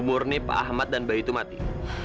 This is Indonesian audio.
kalau kamu nunggu pak ahmad dan bayu itu mati